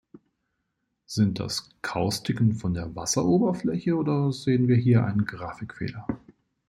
Sind das Kaustiken von der Wasseroberfläche oder sehen wir hier einen Grafikfehler?